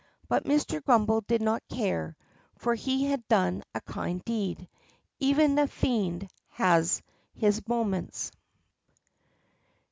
But Mr. Grummbel did not care, for he had done a kind deed. Even a fiend has his moments.